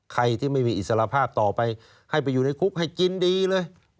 ใครที่ไม่มีอิสระภาพต่อไปให้ไปอยู่ในคุกให้กินดีเลย